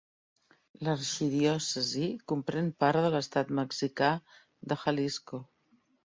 L'arxidiòcesi comprèn part de l'estat mexicà de Jalisco.